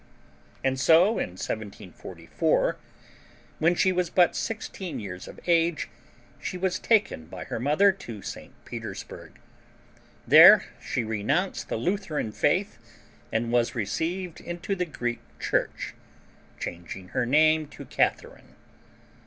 And so in 1744, when she was but sixteen years of age, she was taken by her mother to St. Petersburg. There she renounced the Lutheran faith and was received into the Greek Church, changing her name to Catharine.